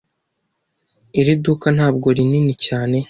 Iri duka ntabwo rinini cyane.